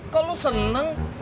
kok lu seneng